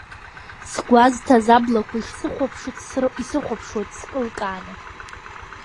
Сгуазҭаз аблақуа ишсыхуаԥшыц исыхуаԥшуеит, скылкааны.